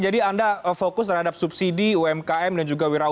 jadi anda fokus terhadap subsidi umkm dan juga wirausaha baru